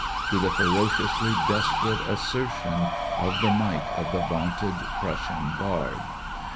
to the ferociously desperate assertion of the might of the vaunted Prussian Guard.